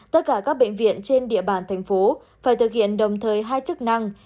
tất cả các bệnh viện trên địa bàn thành phố phải thực hiện đồng thời hai chức năng